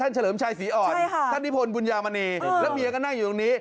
เฉลิมชัยศรีอ่อนท่านนิพนธบุญญามณีแล้วเมียก็นั่งอยู่ตรงนี้